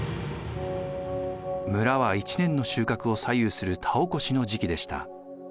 村は１年の収穫を左右する田おこしの時期でした。